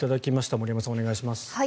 森山さん、お願いします。